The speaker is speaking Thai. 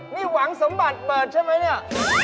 นี่หวังสมบัติเปิดใช่ไหมเนี่ย